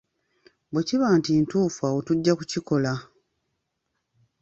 Bwe kiba nti ntuufu awo tujja kukikola.